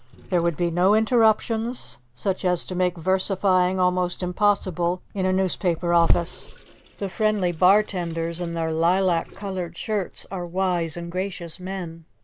There would be no interruptions, such as make versifying almost impossible in a newspaper office. The friendly bartenders in their lilac coloured shirts are wise and gracious men.